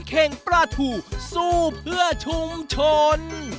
เข่งปลาถูสู้เพื่อชุมชน